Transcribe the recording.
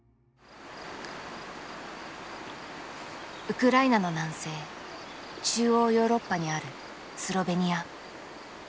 ウクライナの南西中央ヨーロッパにあるスロベニア。